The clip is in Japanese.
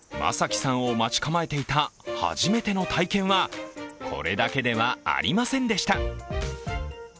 眞輝さんを待ち構えていた初めての体験は、これだけではありませんでした。